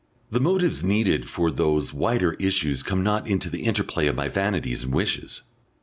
The motives needed for those wider issues come not into the interplay of my vanities and wishes.